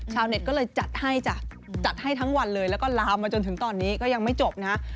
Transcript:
เน็ตก็เลยจัดให้จ้ะจัดให้ทั้งวันเลยแล้วก็ลามมาจนถึงตอนนี้ก็ยังไม่จบนะฮะ